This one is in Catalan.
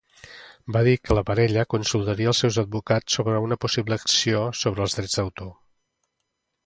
Va dir que la parella consultaria els seus advocats "sobre una possible acció sobre els drets d'autor".